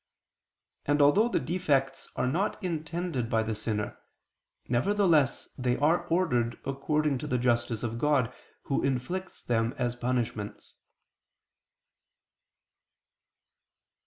And although the defects are not intended by the sinner, nevertheless they are ordered according to the justice of God Who inflicts them as punishments.